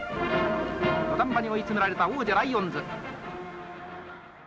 土壇場に追い詰められた王者ライオンズ。